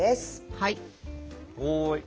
はい。